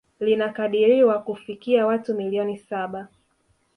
Linakadiriwa kufikia watu milioni saba